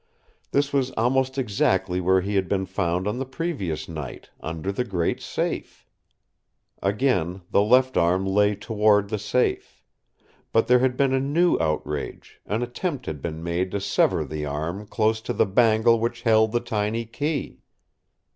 This was almost exactly where he had been found on the previous night, under the great safe. Again, the left arm lay toward the safe. But there had been a new outrage, an attempt had been made to sever the arm close to the bangle which held the tiny key.